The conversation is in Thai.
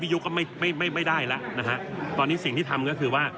ยุคก็ไม่ไม่ไม่ได้แล้วนะฮะตอนนี้สิ่งที่ทำก็คือว่า